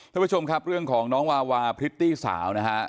ท่านผู้ชมครับเรื่องของน้องวาวาพริตตี้สาวนะฮะ